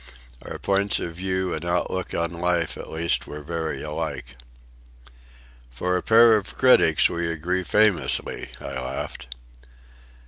Our points of view and outlook on life at least were very alike. "For a pair of critics we agree famously," I laughed.